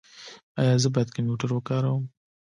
ایا زه باید کمپیوټر وکاروم؟